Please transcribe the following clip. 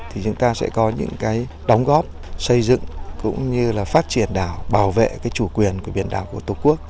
thì chúng ta sẽ có những cái đóng góp xây dựng cũng như là phát triển đảo bảo vệ cái chủ quyền của biển đảo của tổ quốc